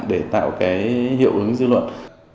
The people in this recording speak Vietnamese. để tạo cái hiệu ứng dư luận